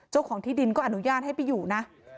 เจ้าของที่ดินก็อนุญาตให้ไปอยู่นะ